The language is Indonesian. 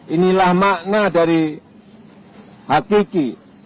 inilah makna dari hakiki